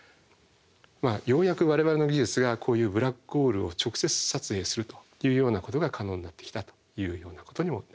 ようやく我々の技術がこういうブラックホールを直接撮影するというようなことが可能になってきたというようなことにもなります。